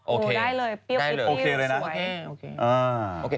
โอเคได้เลยเปรี้ยวสวย